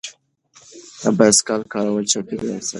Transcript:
د بایسکل کارول چاپیریال ساتي.